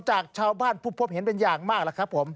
จากชาวบ้านผู้พบเห็นเป็นอย่างมาก